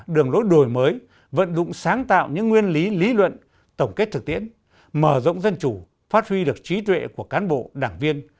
đường lối đổi mới vận dụng sáng tạo những nguyên lý lý luận tổng kết thực tiễn mở rộng dân chủ phát huy được trí tuệ của cán bộ đảng viên